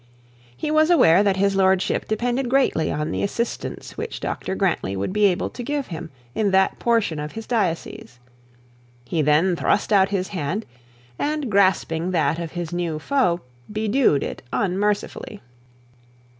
He was aware that his lordship depended greatly on the assistance which Dr Grantly would be able to give him in that portion of the diocese. He then thrust out his hand, and grasping that of his new foe, bedewed it unmercifully.